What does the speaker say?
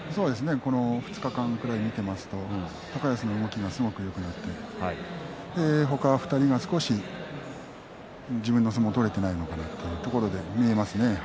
ここ２日間ぐらい見ていますと、高安の動きがすごくよくなって他２人が少し、自分の相撲を取れていないのかなというふうに見えますね。